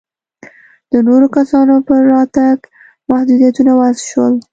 د نورو کسانو پر راتګ محدودیتونه وضع شول.